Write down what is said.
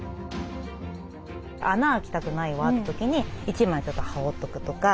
穴開きたくないわって時に１枚ちょっと羽織っとくとか。